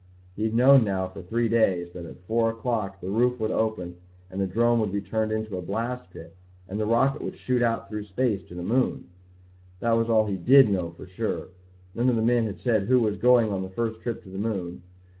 He had known now for three days that at four o'clock the roof would open and the drome would be turned into a blast pit and the rocket would shoot out through space to the moon. That was all he did know for sure. None of the men had said who was going on the first trip to the moon.